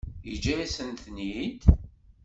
Yeǧǧa-yasent-ten-id?